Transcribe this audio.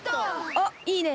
あっいいね。